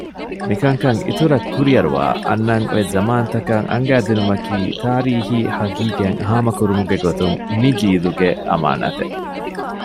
މިކަންކަން އިތުރަށް ކުރިއަރުވައި އަންނަން އޮތް ޒަމާންތަކަށް އަންގައިދިނުމަކީ ތާރީޚީ ޙަޤީޤަތް ހާމަކުރުމުގެ ގޮތުން މި ޖީލުގެ އަމާނާތެއް